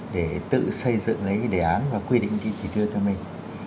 để tự xây dựng cái đề án và quy định chỉ tiêu cho mình